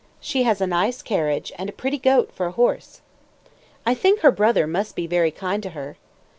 She has a nice carriage, and a pretty goat for a horse. I think her brother must be very kind to her.